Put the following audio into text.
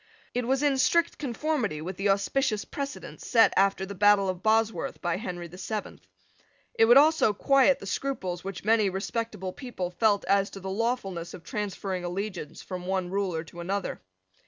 It was in strict conformity with the auspicious precedent set after the battle of Bosworth by Henry the Seventh. It would also quiet the scruples which many respectable people felt as to the lawfulness of transferring allegiance from one ruler to another.